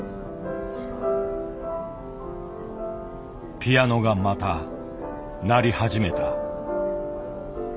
ピアノがまた鳴り始めた。